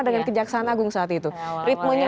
dengan kejaksaan agung saat itu ritmenya